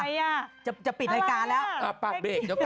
สิ่งไหนยิ่งแล้วมันเป็นสไตล์